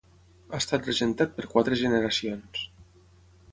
Ha estat regentat per quatre generacions.